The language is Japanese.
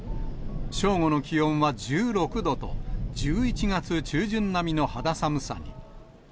正午の気温は１６度と、１１月中旬並みの肌寒さに。